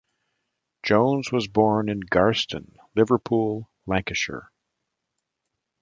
Jones was born in Garston, Liverpool, Lancashire.